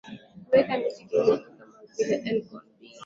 kuweka miti za kienyeji kama vile elgon b